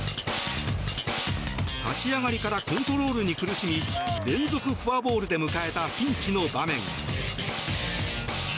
立ち上がりからコントロールに苦しみ連続フォアボールで迎えたピンチの場面。